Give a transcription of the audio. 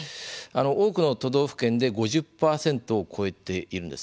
多くの都道府県で５０％を超えているんです。